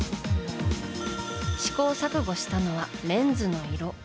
試行錯誤したのはレンズの色。